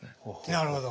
なるほど。